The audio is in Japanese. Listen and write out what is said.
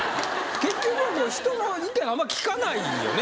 結局のとこ人の意見あんま聞かないよね